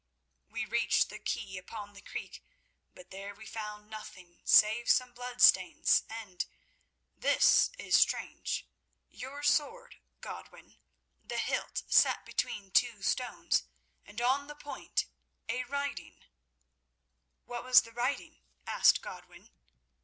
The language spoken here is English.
We reached the quay upon the creek, but there we found nothing save some bloodstains and—this is strange—your sword, Godwin, the hilt set between two stones, and on the point a writing." "What was the writing?" asked Godwin.